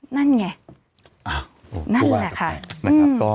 นั่นไง